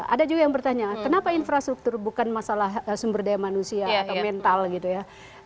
ada juga yang bertanya kenapa infrastruktur bukan masalah sumber daya manusia atau mental gitu ya